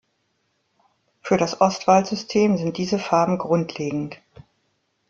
Für das Ostwald-System sind diese Farben grundlegend.